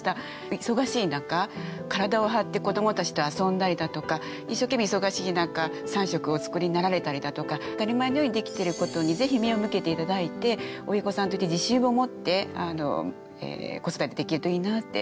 忙しい中体を張って子どもたちと遊んだりだとか一生懸命忙しい中３食お作りになられたりだとか当たり前のようにできてることにぜひ目を向けて頂いて親御さんとして自信を持って子育てできるといいなって思いました。